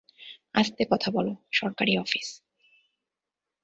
আস্তে কথা বলো, সরকারি অফিস।